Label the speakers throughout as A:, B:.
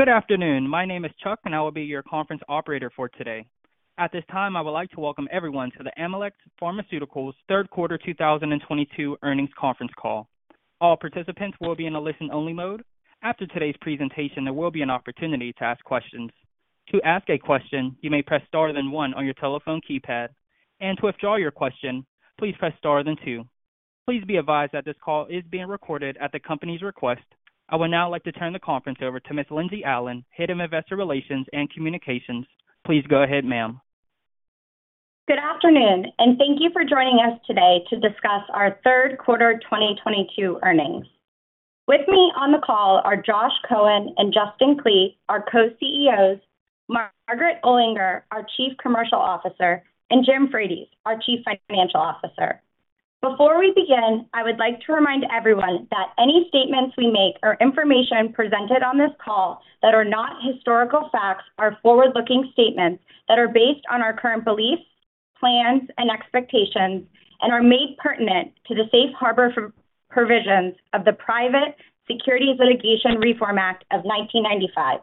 A: Good afternoon. My name is Chuck, and I will be your conference operator for today. At this time, I would like to welcome everyone to the Amylyx Pharmaceuticals Third Quarter 2022 Earnings Conference Call. All participants will be in a listen-only mode. After today's presentation, there will be an opportunity to ask questions. To ask a question, you may press star then one on your telephone keypad, and to withdraw your question, please press star then two. Please be advised that this call is being recorded at the company's request. I would now like to turn the conference over to Miss Lindsey Allen, Head of Investor Relations and Communications. Please go ahead, ma'am.
B: Good afternoon, and thank you for joining us today to discuss our third quarter 2022 earnings. With me on the call are Josh Cohen and Justin Klee, our Co-CEOs, Margaret Olinger, our Chief Commercial Officer, and Jim Frates, our Chief Financial Officer. Before we begin, I would like to remind everyone that any statements we make or information presented on this call that are not historical facts are forward-looking statements that are based on our current beliefs, plans, and expectations and are made pertinent to the safe harbor provisions of the Private Securities Litigation Reform Act of 1995.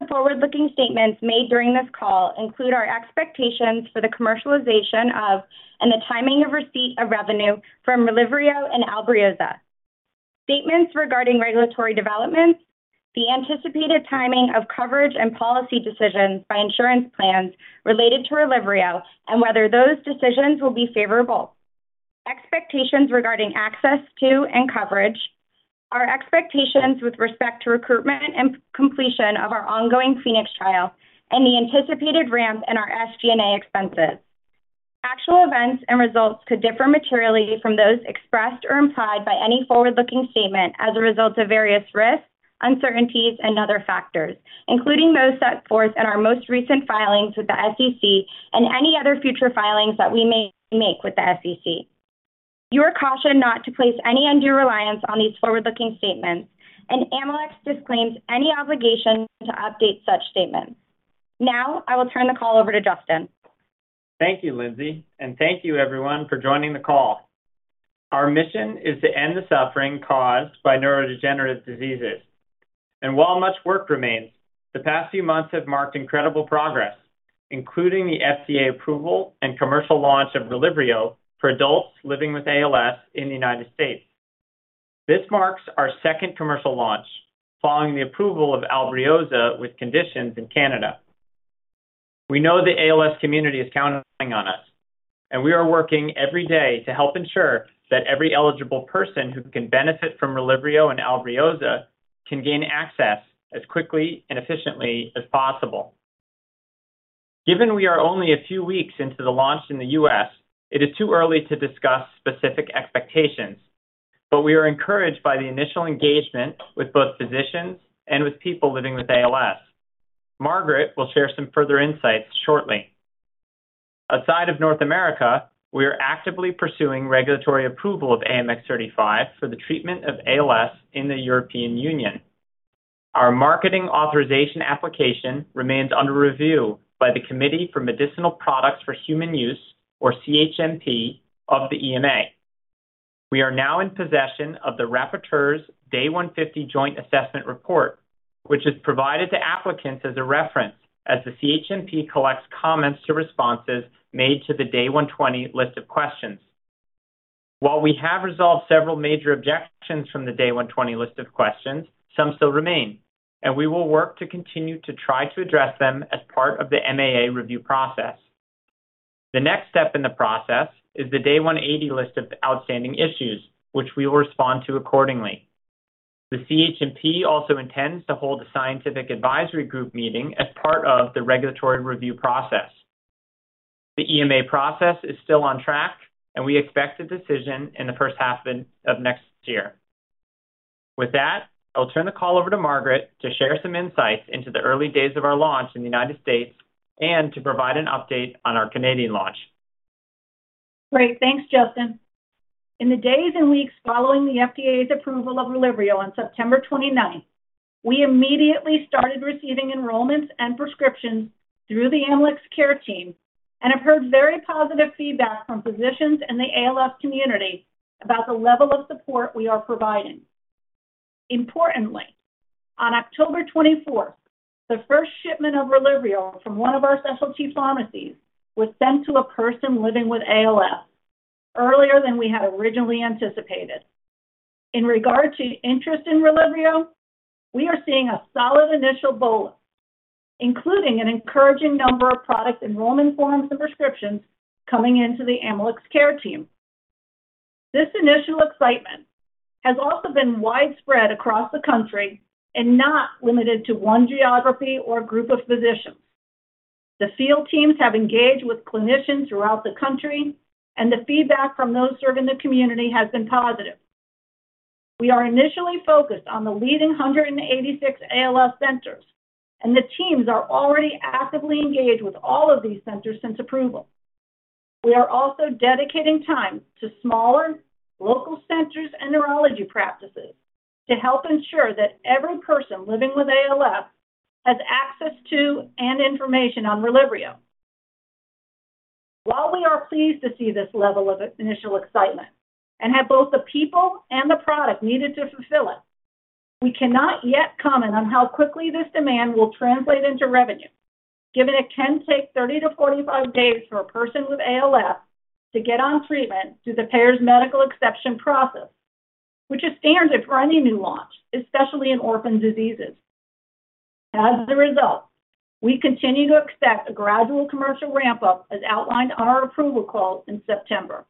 B: Examples of forward-looking statements made during this call include our expectations for the commercialization of and the timing of receipt of revenue from Relyvrio and Albrioza. Statements regarding regulatory developments, the anticipated timing of coverage and policy decisions by insurance plans related to Relyvrio and whether those decisions will be favorable. Expectations regarding access to and coverage, our expectations with respect to recruitment and completion of our ongoing PHOENIX trial, and the anticipated ramp in our SG&A expenses. Actual events and results could differ materially from those expressed or implied by any forward-looking statement as a result of various risks, uncertainties, and other factors, including those set forth in our most recent filings with the SEC and any other future filings that we may make with the SEC. You are cautioned not to place any undue reliance on these forward-looking statements, and Amylyx disclaims any obligation to update such statements. Now, I will turn the call over to Justin.
C: Thank you, Lindsey, and thank you everyone for joining the call. Our mission is to end the suffering caused by neurodegenerative diseases. While much work remains, the past few months have marked incredible progress, including the FDA approval and commercial launch of Relyvrio for adults living with ALS in the United States. This marks our second commercial launch following the approval of Albrioza with conditions in Canada. We know the ALS community is counting on us, and we are working every day to help ensure that every eligible person who can benefit from Relyvrio and Albrioza can gain access as quickly and efficiently as possible. Given we are only a few weeks into the launch in the U.S., it is too early to discuss specific expectations, but we are encouraged by the initial engagement with both physicians and with people living with ALS. Margaret will share some further insights shortly. Outside of North America, we are actively pursuing regulatory approval of AMX0035 for the treatment of ALS in the European Union. Our marketing authorization application remains under review by the Committee for Medicinal Products for Human Use, or CHMP, of the EMA. We are now in possession of the Rapporteur's Day 150 Joint Assessment Report, which is provided to applicants as a reference as the CHMP collects comments to responses made to the Day 120 list of questions. While we have resolved several major objections from the Day 120 list of questions, some still remain, and we will work to continue to try to address them as part of the MAA review process. The next step in the process is the Day 180 list of outstanding issues, which we will respond to accordingly. The CHMP also intends to hold a scientific advisory group meeting as part of the regulatory review process. The EMA process is still on track, and we expect a decision in the first half of next year. With that, I'll turn the call over to Margaret to share some insights into the early days of our launch in the United States and to provide an update on our Canadian launch.
D: Great. Thanks, Justin. In the days and weeks following the FDA's approval of Relyvrio on September 29, we immediately started receiving enrollments and prescriptions through the Amylyx Care Team and have heard very positive feedback from physicians and the ALS community about the level of support we are providing. Importantly, on October 24th, the first shipment of Relyvrio from one of our specialty pharmacies was sent to a person living with ALS earlier than we had originally anticipated. In regard to interest in Relyvrio, we are seeing a solid initial buzz, including an encouraging number of product enrollment forms and prescriptions coming into the Amylyx Care Team. This initial excitement has also been widespread across the country and not limited to one geography or group of physicians. The field teams have engaged with clinicians throughout the country, and the feedback from those serving the community has been positive. We are initially focused on the leading 186 ALS centers, and the teams are already actively engaged with all of these centers since approval. We are also dedicating time to smaller local centers and neurology practices to help ensure that every person living with ALS has access to, and information on Relyvrio. While we are pleased to see this level of initial excitement and have both the people and the product needed to fulfill it, we cannot yet comment on how quickly this demand will translate into revenue, given it can take 30-45 days for a person with ALS to get on treatment through the payer's medical exception process, which is standard for any new launch, especially in orphan diseases. As a result, we continue to expect a gradual commercial ramp-up as outlined on our approval call in September.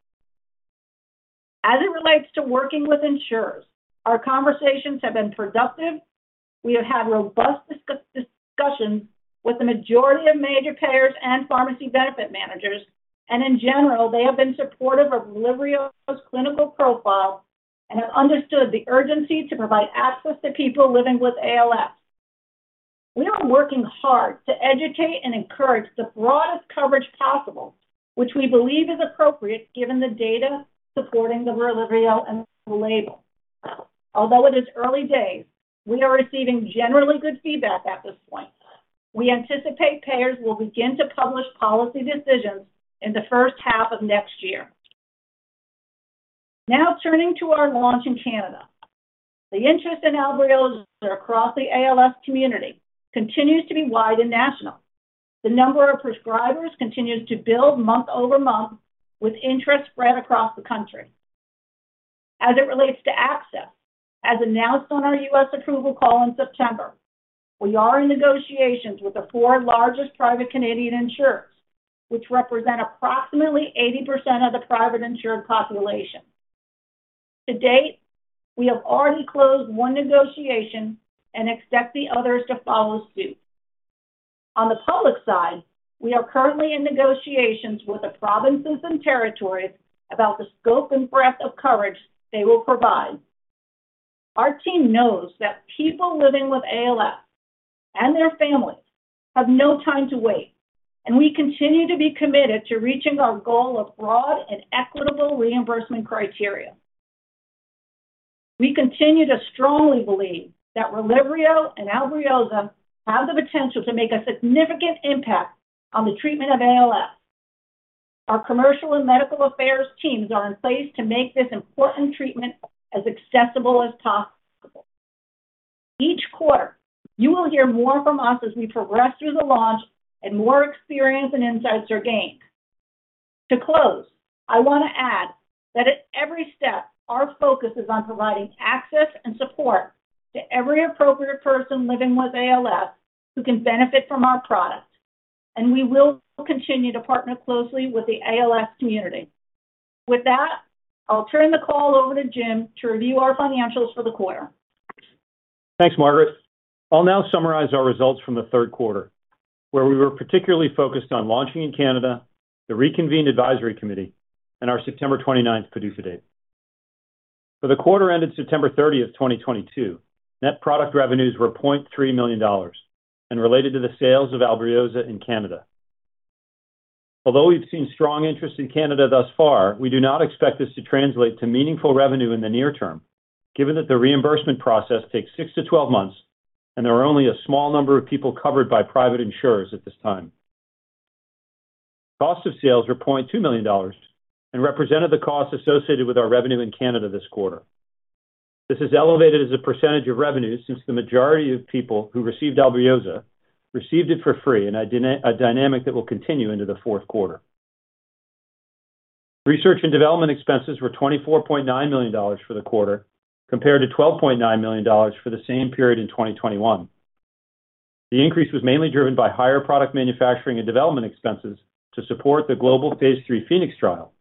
D: As it relates to working with insurers, our conversations have been productive. We have had robust discussions with the majority of major payers and pharmacy benefit managers. In general, they have been supportive of Relyvrio's clinical profile and have understood the urgency to provide access to people living with ALS. We are working hard to educate and encourage the broadest coverage possible, which we believe is appropriate given the data supporting the Relyvrio and label. Although it is early days, we are receiving generally good feedback at this point. We anticipate payers will begin to publish policy decisions in the first half of next year. Now turning to our launch in Canada. The interest in Albrioza across the ALS community continues to be wide and national. The number of prescribers continues to build month-over-month, with interest spread across the country. As it relates to access, as announced on our U.S. approval call in September, we are in negotiations with the four largest private Canadian insurers, which represent approximately 80% of the private insured population. To date, we have already closed one negotiation and expect the others to follow suit. On the public side, we are currently in negotiations with the provinces and territories about the scope and breadth of coverage they will provide. Our team knows that people living with ALS and their families have no time to wait, and we continue to be committed to reaching our goal of broad and equitable reimbursement criteria. We continue to strongly believe that Relyvrio and Albrioza have the potential to make a significant impact on the treatment of ALS. Our commercial and medical affairs teams are in place to make this important treatment as accessible as possible. Each quarter, you will hear more from us as we progress through the launch and more experience and insights are gained. To close, I want to add that at every step, our focus is on providing access and support to every appropriate person living with ALS who can benefit from our product, and we will continue to partner closely with the ALS community. With that, I'll turn the call over to Jim to review our financials for the quarter.
E: Thanks, Margaret. I'll now summarize our results from the third quarter, where we were particularly focused on launching in Canada, the reconvened advisory committee, and our September 29 PDUFA date. For the quarter ended September 30, 2022, net product revenues were $0.3 million and related to the sales of Albrioza in Canada. Although we've seen strong interest in Canada thus far, we do not expect this to translate to meaningful revenue in the near term, given that the reimbursement process takes six to 12 months and there are only a small number of people covered by private insurers at this time. Cost of sales were $0.2 million and represented the costs associated with our revenue in Canada this quarter. This is elevated as a percentage of revenue since the majority of people who received Albrioza received it for free, and a dynamic that will continue into the fourth quarter. Research and development expenses were $24.9 million for the quarter, compared to $12.9 million for the same period in 2021. The increase was mainly driven by higher product manufacturing and development expenses to support the global phase III PHOENIX trial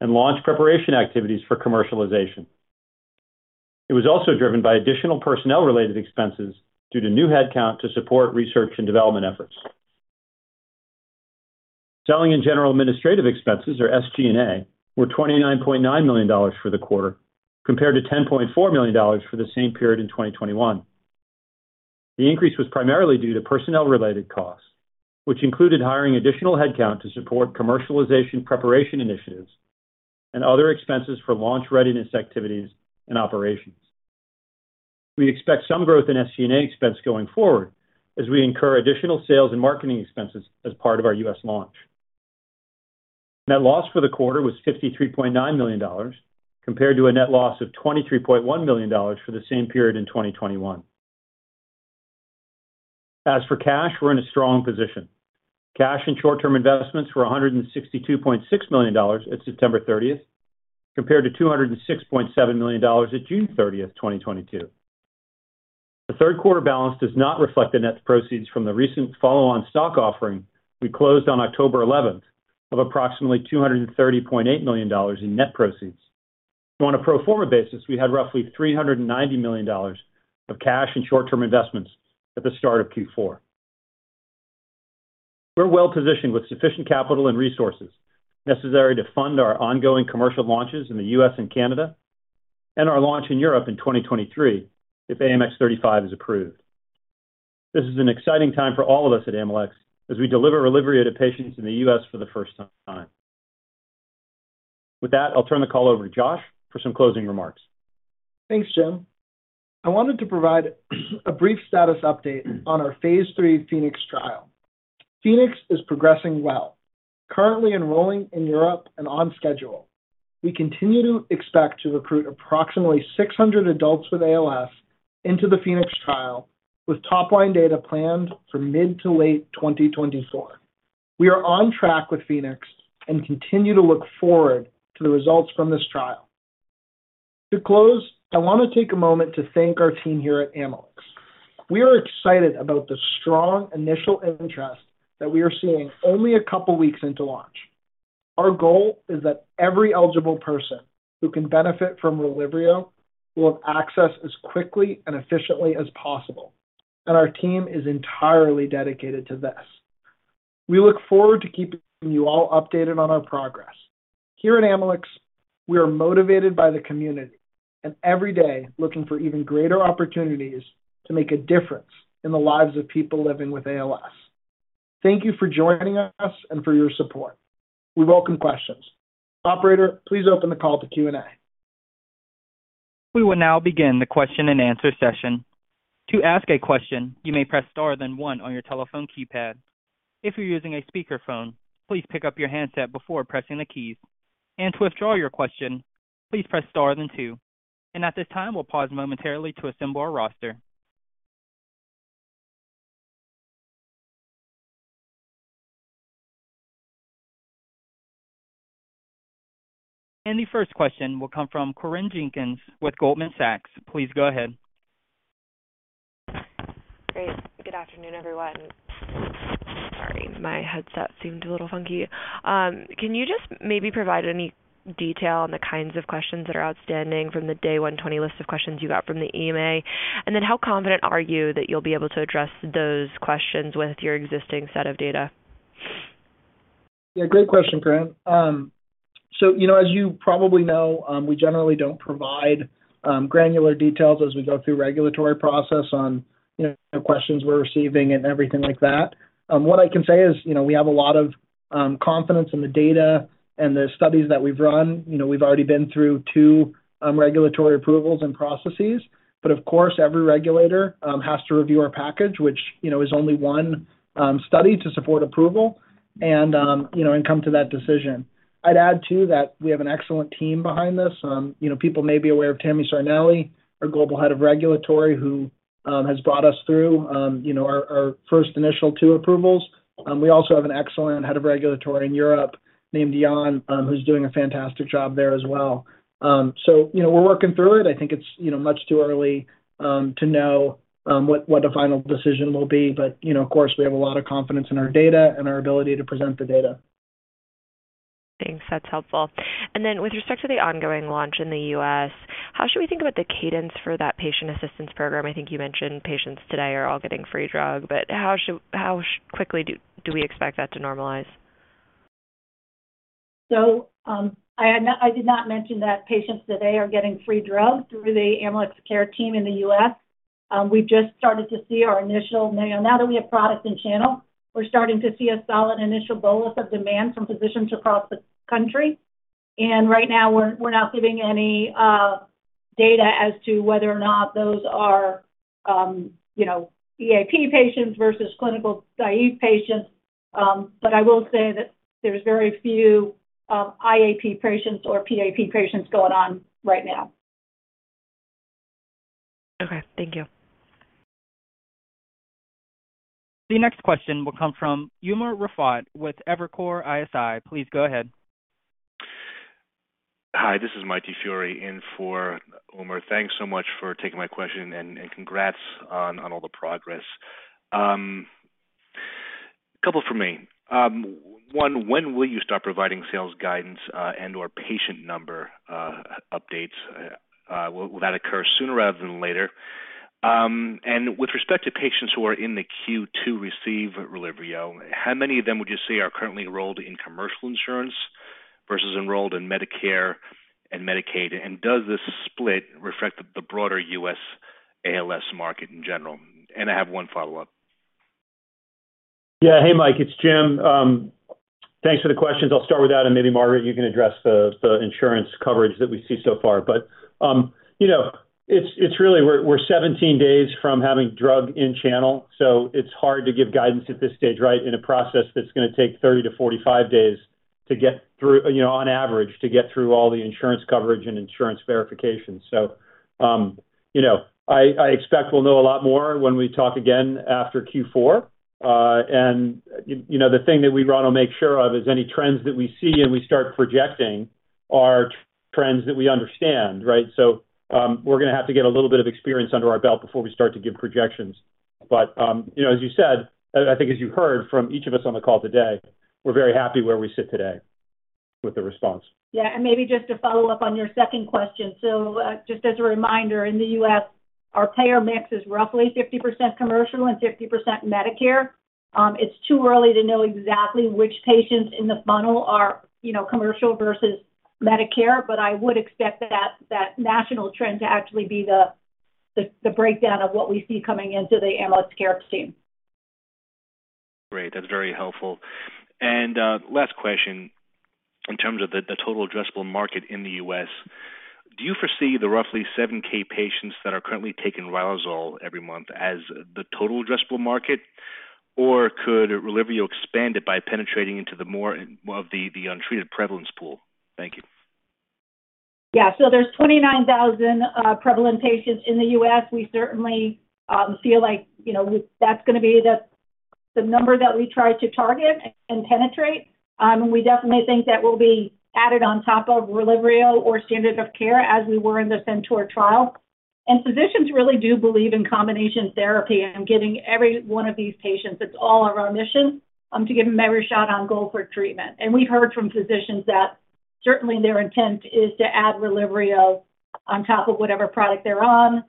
E: and launch preparation activities for commercialization. It was also driven by additional personnel-related expenses due to new headcount to support research and development efforts. Selling and general administrative expenses, or SG&A, were $29.9 million for the quarter, compared to $10.4 million for the same period in 2021. The increase was primarily due to personnel-related costs, which included hiring additional headcount to support commercialization preparation initiatives and other expenses for launch readiness activities and operations. We expect some growth in SG&A expense going forward as we incur additional sales and marketing expenses as part of our U.S. launch. Net loss for the quarter was $53.9 million, compared to a net loss of $23.1 million for the same period in 2021. As for cash, we're in a strong position. Cash and short-term investments were $162.6 million at September 30, compared to $206.7 million at June 30, 2022. The third quarter balance does not reflect the net proceeds from the recent follow-on stock offering we closed on October 11 of approximately $230.8 million in net proceeds. On a pro forma basis, we had roughly $390 million of cash and short-term investments at the start of Q4. We're well-positioned with sufficient capital and resources necessary to fund our ongoing commercial launches in the U.S. and Canada, and our launch in Europe in 2023 if AMX0035 is approved. This is an exciting time for all of us at Amylyx as we deliver Relyvrio to patients in the U.S. for the first time. With that, I'll turn the call over to Josh for some closing remarks.
F: Thanks, Jim. I wanted to provide a brief status update on our phase III PHOENIX trial. PHOENIX is progressing well, currently enrolling in Europe and on schedule. We continue to expect to recruit approximately 600 adults with ALS into the PHOENIX trial, with top line data planned for mid-to-late 2024. We are on track with PHOENIX and continue to look forward to the results from this trial. To close, I want to take a moment to thank our team here at Amylyx. We are excited about the strong initial interest that we are seeing only a couple weeks into launch. Our goal is that every eligible person who can benefit from Relyvrio will have access as quickly and efficiently as possible, and our team is entirely dedicated to this. We look forward to keeping you all updated on our progress. Here at Amylyx Pharmaceuticals, we are motivated by the community and every day looking for even greater opportunities to make a difference in the lives of people living with ALS. Thank you for joining us and for your support. We welcome questions. Operator, please open the call to Q&A.
A: We will now begin the question-and-answer session. To ask a question, you may press star then one on your telephone keypad. If you're using a speakerphone, please pick up your handset before pressing the keys. To withdraw your question, please press star then two. At this time, we'll pause momentarily to assemble our roster. The first question will come from Corinne Jenkins with Goldman Sachs. Please go ahead.
G: Great. Good afternoon, everyone. Sorry, my headset seemed a little funky. Can you just maybe provide any detail on the kinds of questions that are outstanding from the Day 120 list of questions you got from the EMA? How confident are you that you'll be able to address those questions with your existing set of data?
F: Yeah, great question, Corinne. So, you know, as you probably know, we generally don't provide granular details as we go through regulatory process on, you know, questions we're receiving and everything like that. What I can say is, you know, we have a lot of confidence in the data and the studies that we've run. You know, we've already been through two regulatory approvals and processes, but of course, every regulator has to review our package, which, you know, is only one study to support approval and, you know, come to that decision. I'd add too that we have an excellent team behind this. You know, people may be aware of Tammy Sarnelli, our Global Head of Regulatory, who has brought us through, you know, our first initial two approvals. We also have an excellent Head of Regulatory in Europe named Isabelle Gendebien, who's doing a fantastic job there as well. You know, we're working through it. I think it's you know, much too early to know what the final decision will be. You know, of course, we have a lot of confidence in our data and our ability to present the data.
G: Thanks. That's helpful. With respect to the ongoing launch in the U.S., how should we think about the cadence for that patient assistance program? I think you mentioned patients today are all getting free drug, but how quickly do we expect that to normalize?
D: No. I did not mention that patients today are getting free drugs through the Amylyx Care Team in the U.S. We've just started to see our initial. Now that we have product and channel, we're starting to see a solid initial bolus of demand from physicians across the country. Right now we're not giving any data as to whether or not those are you know PAP patients versus clinically naive patients. But I will say that there's very few IAP patients or PAP patients going on right now.
G: Okay. Thank you.
A: The next question will come from Umer Raffat with Evercore ISI. Please go ahead.
H: Hi, this is Mike DiFiore in for Umer Raffat. Thanks so much for taking my question and congrats on all the progress. Couple for me. One, when will you stop providing sales guidance, and/or patient number updates? Will that occur sooner rather than later? With respect to patients who are in the queue to receive Relyvrio, how many of them would you say are currently enrolled in commercial insurance versus enrolled in Medicare and Medicaid? Does this split reflect the broader U.S. ALS market in general? And I have one follow-up.
E: Yeah. Hey, Mike, it's James Frates. Thanks for the questions. I'll start with that, and maybe Margaret Olinger, you can address the insurance coverage that we see so far. You know, it's really, we're 17 days from having drug in channel, so it's hard to give guidance at this stage, right? In a process that's gonna take 30-45 days to get through, you know, on average, to get through all the insurance coverage and insurance verification. You know, I expect we'll know a lot more when we talk again after Q4. You know, the thing that we wanna make sure of is any trends that we see and we start projecting are trends that we understand, right? We're gonna have to get a little bit of experience under our belt before we start to give projections. You know, as you said, I think as you heard from each of us on the call today, we're very happy where we sit today with the response.
D: Yeah. Maybe just to follow up on your second question. Just as a reminder, in the U.S., our payer mix is roughly 50% commercial and 50% Medicare. It's too early to know exactly which patients in the funnel are, you know, commercial versus Medicare, but I would expect that national trend to actually be the breakdown of what we see coming into the Amylyx Care Team.
H: Great, that's very helpful. Last question. In terms of the total addressable market in the U.S., do you foresee the roughly 7,000 patients that are currently taking riluzole every month as the total addressable market, or could Relyvrio expand it by penetrating into the more of the untreated prevalence pool? Thank you.
D: Yeah. There's 29,000 prevalent patients in the U.S. We certainly feel like, you know, that's gonna be the number that we try to target and penetrate. We definitely think that we'll be added on top of Relyvrio or standard of care as we were in the CENTAUR trial. Physicians really do believe in combination therapy and giving every one of these patients, it's all our own mission, to give them every shot on goal for treatment. We heard from physicians that certainly their intent is to add Relyvrio on top of whatever product they're on.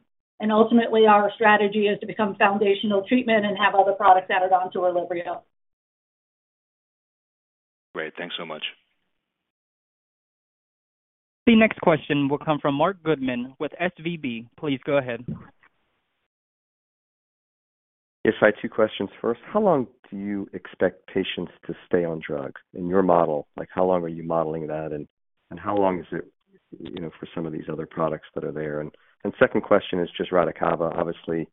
D: Ultimately, our strategy is to become foundational treatment and have other products added on to Relyvrio.
H: Great. Thanks so much.
A: The next question will come from Marc Goodman with SVB. Please go ahead.
I: Yes. Hi, two questions. First, how long do you expect patients to stay on drugs in your model? Like, how long are you modeling that and how long is it, you know, for some of these other products that are there? and second question is just Radicava, obviously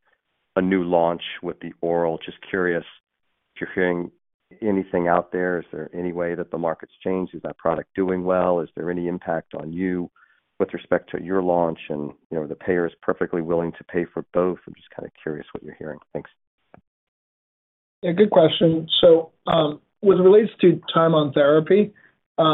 I: a new launch with the oral. Just curious if you're hearing anything out there. Is there any way that the market's changed? Is that product doing well? Is there any impact on you with respect to your launch and, you know, the payer is perfectly willing to pay for both? I'm just kinda curious what you're hearing. Thanks.
F: Yeah, good question. With regards to time on therapy, you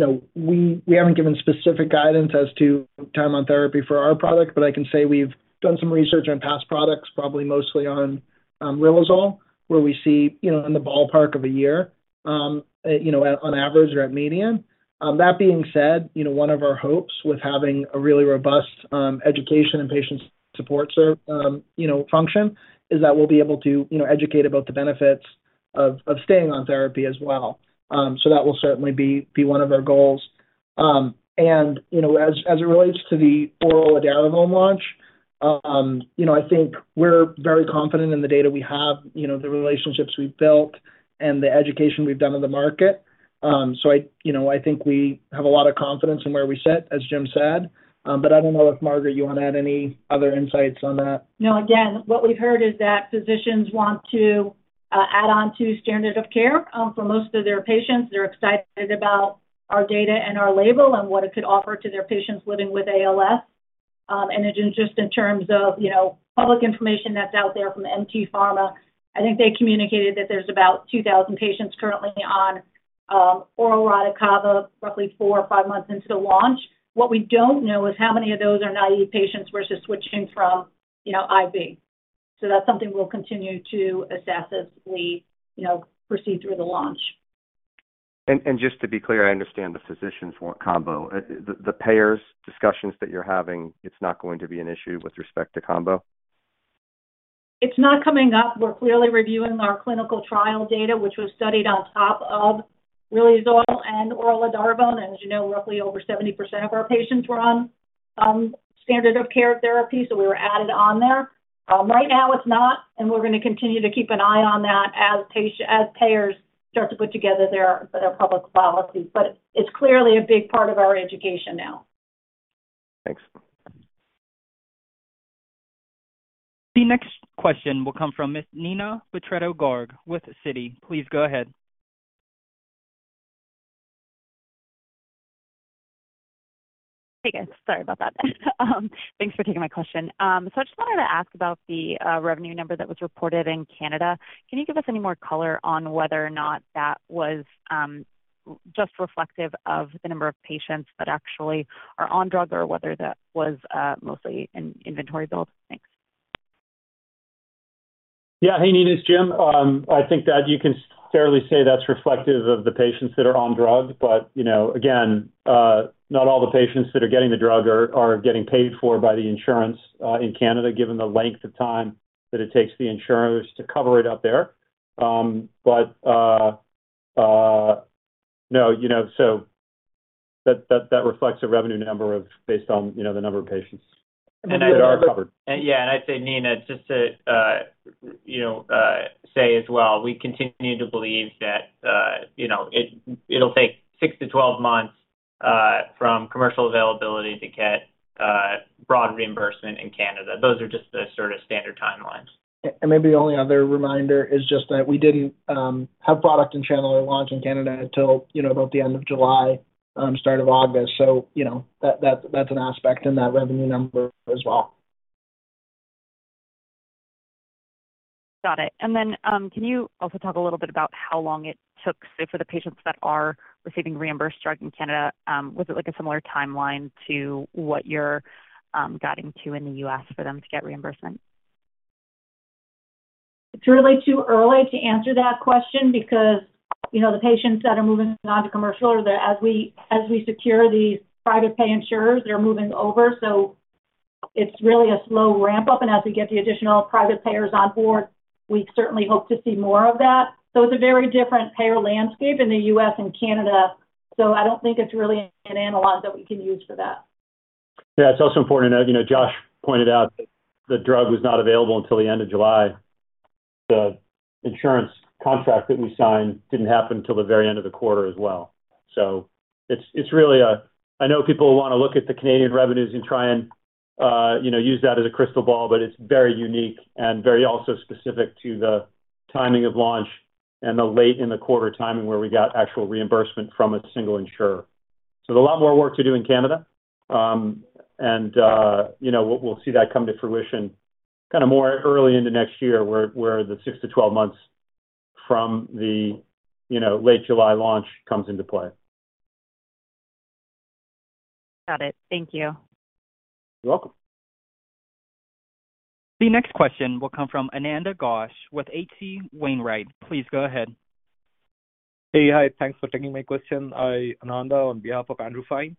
F: know, we haven't given specific guidance as to time on therapy for our product, but I can say we've done some research on past products, probably mostly on riluzole, where we see you know, in the ballpark of a year, you know, on average or at median. That being said, you know, one of our hopes with having a really robust education and patient support, you know, function is that we'll be able to you know, educate about the benefits of staying on therapy as well. That will certainly be one of our goals. You know, as it relates to the oral edaravone launch, you know, I think we're very confident in the data we have, you know, the relationships we've built and the education we've done in the market. I think we have a lot of confidence in where we sit, as Jim said. I don't know if, Margaret, you wanna add any other insights on that.
D: No. Again, what we've heard is that physicians want to add on to standard of care for most of their patients. They're excited about our data and our label and what it could offer to their patients living with ALS. Just in terms of, you know, public information that's out there from MT Pharma, I think they communicated that there's about 2,000 patients currently on oral Radicava, roughly four or five months into launch. What we don't know is how many of those are naive patients versus switching from, you know, IV. That's something we'll continue to assess as we, you know, proceed through the launch.
I: Just to be clear, I understand the physicians want combo. The payers discussions that you're having, it's not going to be an issue with respect to combo?
D: It's not coming up. We're clearly reviewing our clinical trial data, which was studied on top of riluzole and oral edaravone. As you know, roughly over 70% of our patients were on standard of care therapy, so we were added on there. Right now it's not, and we're gonna continue to keep an eye on that as payers start to put together their public policies, but it's clearly a big part of our education now.
I: Thanks.
A: The next question will come from Ms. Neena Bitritto-Garg with Citi. Please go ahead.
J: Hey, guys. Sorry about that. Thanks for taking my question. I just wanted to ask about the revenue number that was reported in Canada. Can you give us any more color on whether or not that was just reflective of the number of patients that actually are on drug or whether that was mostly in inventory build? Thanks.
E: Yeah. Hey, Neena. It's Jim. I think that you can fairly say that's reflective of the patients that are on drug. You know, again, not all the patients that are getting the drug are getting paid for by the insurance in Canada, given the length of time that it takes the insurers to cover it up there. No, you know, that reflects a revenue number based on the number of patients that are covered.
F: I'd say, Neena, just to, you know, say as well, we continue to believe that, you know, it'll take six to 12 months, from commercial availability to get, broad reimbursement in Canada. Those are just the sort of standard timelines.
E: Maybe the only other reminder is just that we didn't have product and channel at launch in Canada until, you know, about the end of July, start of August. So, you know, that's an aspect in that revenue number as well.
J: Got it. Can you also talk a little bit about how long it took, say, for the patients that are receiving reimbursed drug in Canada, was it like a similar timeline to what you're guiding to in the U.S. for them to get reimbursement?
D: It's really too early to answer that question because, you know, the patients that are moving on to commercial are as we secure these private pay insurers, they're moving over. It's really a slow ramp-up. As we get the additional private payers on board, we certainly hope to see more of that. It's a very different payer landscape in the U.S. and Canada, so I don't think it's really an analog that we can use for that.
C: Yeah, it's also important to note, you know, Josh pointed out that the drug was not available until the end of July. The insurance contract that we signed didn't happen till the very end of the quarter as well. It's really. I know people wanna look at the Canadian revenues and try and, you know, use that as a crystal ball, but it's very unique and very also specific to the timing of launch and the late in the quarter timing where we got actual reimbursement from a single insurer. There's a lot more work to do in Canada, and, you know, we'll see that come to fruition kinda more early into next year where the six to 12 months from the, you know, late July launch comes into play.
J: Got it. Thank you.
C: You're welcome.
A: The next question will come from Ananda Ghosh with H.C. Wainwright. Please go ahead.
K: Hey. Hi, thanks for taking my question. I, Ananda on behalf of Andrew Fein.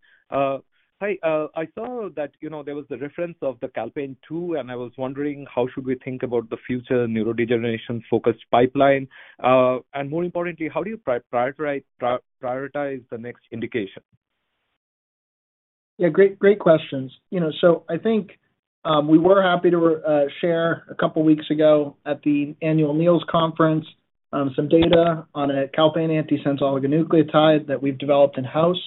K: Hi, I saw that, you know, there was the reference to the calpain-2, and I was wondering how should we think about the future neurodegeneration-focused pipeline? More importantly, how do you prioritize the next indication?
C: Yeah. Great questions. You know, so I think we were happy to share a couple weeks ago at the annual NEALS conference some data on a calpain antisense oligonucleotide that we've developed in-house.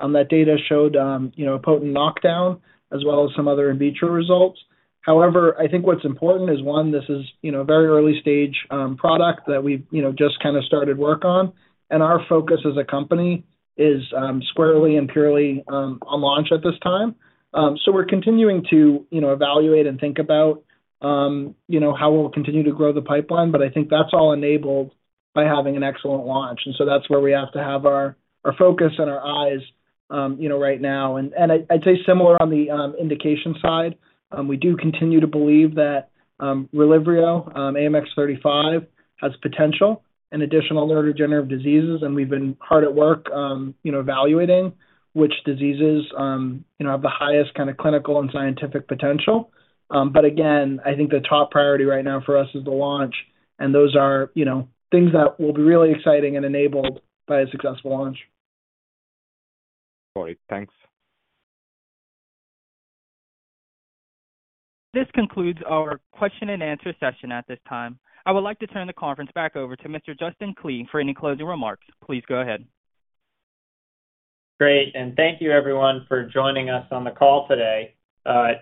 C: That data showed you know a potent knockdown as well as some other in vitro results. However, I think what's important is, one, this is you know a very early stage product that we've you know just kinda started work on, and our focus as a company is squarely and purely on launch at this time. So we're continuing to you know evaluate and think about you know how we'll continue to grow the pipeline, but I think that's all enabled by having an excellent launch. That's where we have to have our focus and our eyes you know right now. I'd say similar on the indication side. We do continue to believe that Relyvrio, AMX0035 has potential in additional neurodegenerative diseases, and we've been hard at work, you know, evaluating which diseases, you know, have the highest kinda clinical and scientific potential, but again, I think the top priority right now for us is the launch, and those are, you know, things that will be really exciting and enabled by a successful launch.
K: Got it. Thanks.
A: This concludes our question and answer session at this time. I would like to turn the conference back over to Mr. Justin Klee for any closing remarks. Please go ahead.
C: Great, and thank you everyone for joining us on the call today.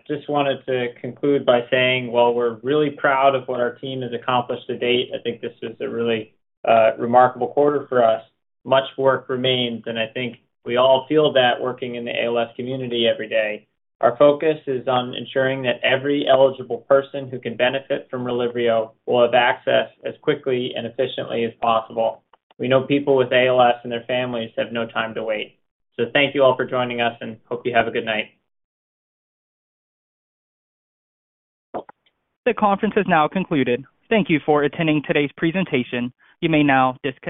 C: Just wanted to conclude by saying while we're really proud of what our team has accomplished to date, I think this is a really remarkable quarter for us, much work remains, and I think we all feel that working in the ALS community every day. Our focus is on ensuring that every eligible person who can benefit from Relyvrio will have access as quickly and efficiently as possible. We know people with ALS and their families have no time to wait. Thank you all for joining us, and hope you have a good night.
A: The conference is now concluded. Thank you for attending today's presentation. You may now disconnect.